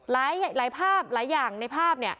หลายอย่างในภาพ